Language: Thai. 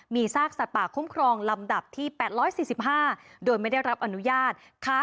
มีซากสัตว์ป่าคุ้มครองลำดับที่๘๔๕โดยไม่ได้รับอนุญาต